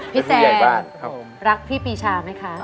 แฟนรักพี่ปีชาไหมคะ